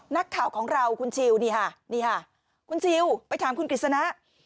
นักข่าวของเราคุณชิวนี่ค่ะนี่ค่ะคุณชิลไปถามคุณกฤษณะ